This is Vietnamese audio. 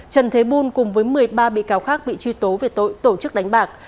trần thế bùn cùng với một mươi ba bị cáo khác bị truy tố về tội tổ chức đánh bạc